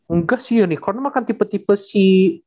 enggak sih unicorn makan tipe tipe si